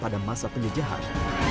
pada masa penyejahan